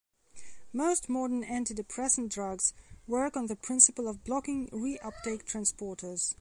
Most modern antidepressant drugs work on the principal of blocking re-uptake transporters.